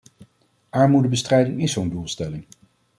Armoedebestrijding is zo'n doelstelling.